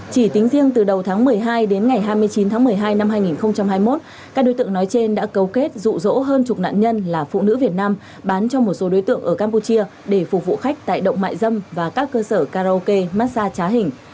chỉ tính riêng từ đầu tháng một mươi hai đến ngày hai mươi chín tháng một mươi hai năm hai nghìn hai mươi một các đối tượng nói trên đã cấu kết rụ rỗ hơn chục nạn nhân là phụ nữ việt nam bán cho một số đối tượng ở campuchia để phục vụ khách tại động mại dâm và các cơ sở karaoke massage trá hình